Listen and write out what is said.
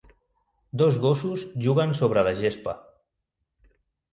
Dos gossos juguen sobre la gespa.